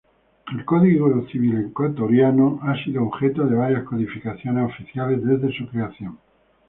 El Código Civil ecuatoriano ha sido objeto de varias codificaciones oficiales, desde su creación.